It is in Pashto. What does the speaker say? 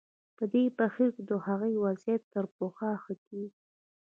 په دې بهیر کې د هغوی وضعیت تر پخوا ښه کېږي.